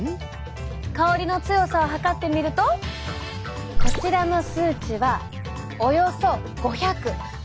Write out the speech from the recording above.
香りの強さを測ってみるとこちらの数値はおよそ５００。